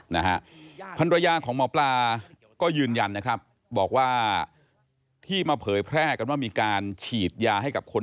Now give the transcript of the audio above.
นะฮะภรรยาของหมอปลาก็ยืนยันนะครับบอกว่าที่มาเผยแพร่กันว่ามีการฉีดยาให้กับคน